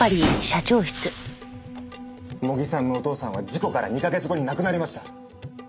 茂木さんのお父さんは事故から２カ月後に亡くなりました。